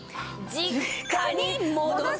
実家に戻す。